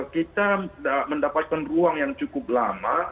kita mendapatkan ruang yang cukup lama